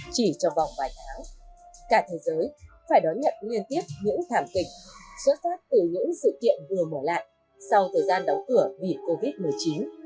chỉ trong vòng vài tháng cả thế giới phải đón nhận liên tiếp những thảm kịch xuất phát từ những sự kiện vừa mở lại sau thời gian đóng cửa vì covid một mươi chín